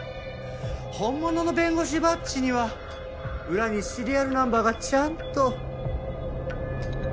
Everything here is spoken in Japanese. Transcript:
本物の弁護士バッジには裏にシリアルナンバーがちゃんと。